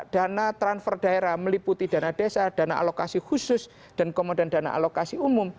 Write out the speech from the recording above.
dana transfer daerah meliputi dana desa dana alokasi khusus dan komandan dana alokasi umum